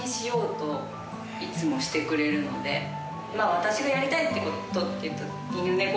私がやりたいことっていうと。